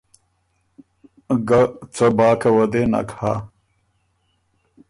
ګه څه باکه وه دې نک هۀ۔